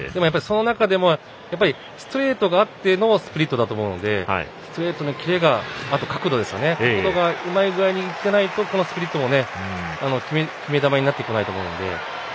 その中でも、やっぱりストレートがあってのスプリットだと思うのでストレートのキレ、角度がうまい具合にいってないとスプリットも決め球になってこないと思うので。